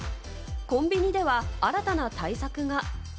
コンビニでは新たな対策が。